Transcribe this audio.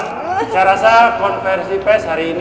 saya rasa konversi pes hari ini